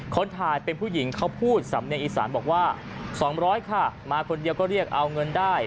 คนถ่ายเป็นผู้หญิงเขาพูดสำเนียงอีสานบอกว่า๒๐๐ค่ะมาคนเดียวก็เรียกเอาเงินได้